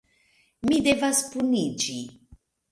Mi devas puniĝi.